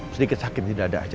sedikit sakit di dada aja